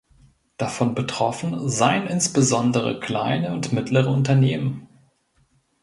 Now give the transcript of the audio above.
Davon betroffen seien insbesondere kleine und mittlere Unternehmen.